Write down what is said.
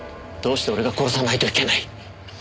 どうして俺が殺さないといけない？